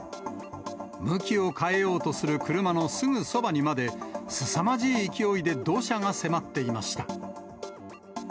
向きを変えようとする車のすぐそばにまで、すさまじい勢いで土砂が迫っていました。